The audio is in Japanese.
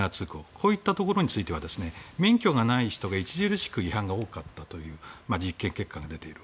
こういったところについては免許がない人が著しく違反が多かったという実験結果が出ている。